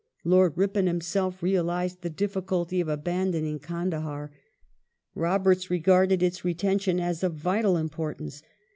Lord Ripon himself realized the difficulty of abandoning Kandahdr. Roberts regarded its retention as of " vital importance